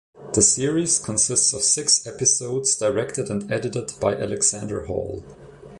The series consists of six episodes directed and edited by Alexander Hall.